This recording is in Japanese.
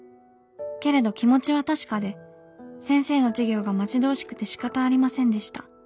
けれど気持ちは確かで先生の授業が待ち遠しくてしかたありませんでした。